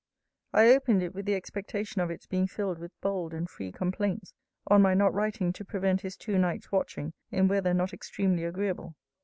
I opened it with the expectation of its being filled with bold and free complaints, on my not writing to prevent his two nights watching, in weather not extremely agreeable.